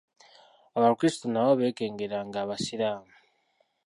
Abakristu nabo ne beekengeranga Abaisiramu.